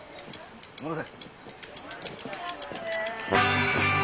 戻せ。